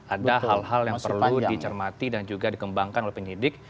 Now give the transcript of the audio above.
ada hal hal yang perlu dicermati dan juga dikembangkan oleh penyidik